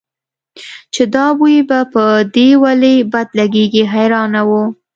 چې دا بوی به په دې ولې بد لګېږي حیرانه وه.